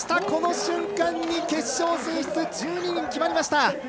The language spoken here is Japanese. この瞬間に決勝進出１２人決まりました。